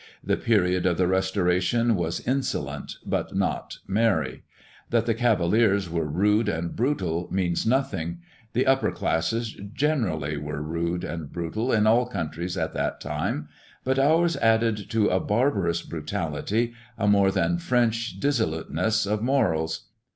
The period of the restoration was insolent but not merry. That the cavaliers were rude and brutal means nothing; the upper classes generally were rude and brutal in all countries at that time; but ours added to a barbarous brutality, a more than French dissoluteness of morals.